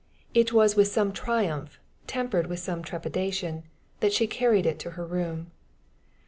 It was with some triumph, tempered with some trepidation, that she carried it to her room.